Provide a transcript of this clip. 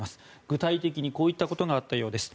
具体的に、こういったことがあったようです。